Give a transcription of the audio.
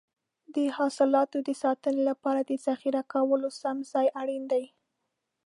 د حاصلاتو د ساتنې لپاره د ذخیره کولو سم ځای اړین دی.